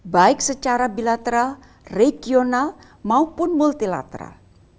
baik secara bilateral regional maupun multilateral